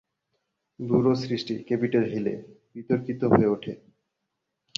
ব্যুরোর সৃষ্টি ক্যাপিটল হিলে বিতর্কিত হয়ে ওঠে।